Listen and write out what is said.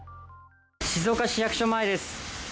静岡市役所前です。